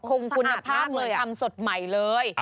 คงคุณภาพเลยทำสดใหม่เลย